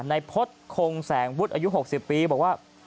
พฤษคงแสงวุฒิอายุ๖๐ปีบอกว่า